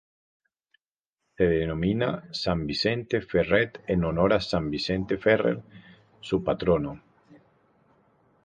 Se denomina San Vicente Ferre en honor a "San Vicente Ferrer", su patrono.